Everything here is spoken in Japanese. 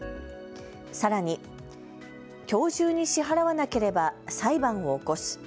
さらに、きょう中に支払わなければ裁判を起こす。